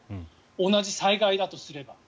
同じ災害だとすれば。